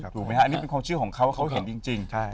ถูกไหมฮะอันนี้เป็นความเชื่อของเขาเขาเห็นจริง